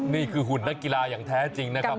หุ่นนักกีฬาอย่างแท้จริงนะครับ